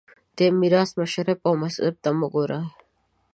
دې میراث مشرب او مذهب ته مه ګورئ